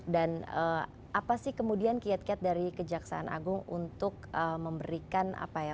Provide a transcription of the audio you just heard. dan apa sih kemudian kiat kiat dari kejaksaan agung untuk memberikan apa ya